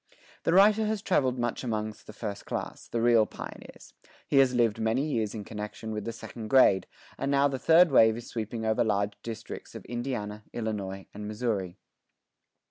The writer has traveled much amongst the first class, the real pioneers. He has lived many years in connection with the second grade; and now the third wave is sweeping over large districts of Indiana, Illinois, and Missouri.